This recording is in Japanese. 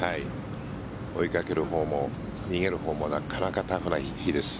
追いかけるほうも逃げるほうもなかなかタフな日です。